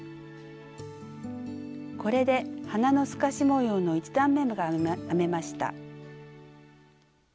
これで花の透かし模様の１段めが編めました。